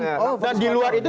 dan di luar itu